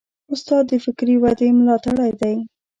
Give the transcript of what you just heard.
استاد د فکري ودې ملاتړی دی.